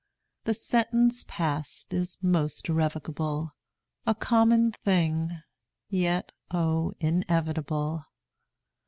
The sentence past is most irrevocable, A common thing, yet oh, inevitable.